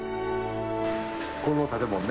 この建物ね。